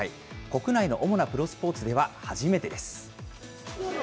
国内の主なプロスポーツでは初めてです。